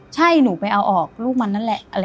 ใช่หนูไปเอาออกลูกมันนั่นแหละ